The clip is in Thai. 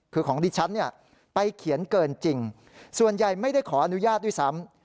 คือของดิฉันเนี่ยไปเขียนเกินจริงส่วนใหญ่ไม่ได้ขออนุญาตด้วยซ้ำ